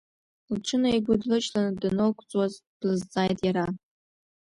Лҽынаигәыдлыжьлан данылгәӡуаз, длызҵааит иара.